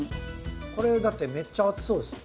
これだってめっちゃ暑そうですよ。